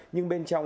nhưng bên trong